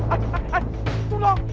saya siapkan ekornya